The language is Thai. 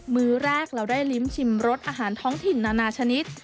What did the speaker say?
มือแรกเราได้ลิ้มชิมรสอาหารท้องถิ่นนานาชนิด